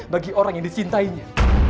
bagi orang yang dicintainya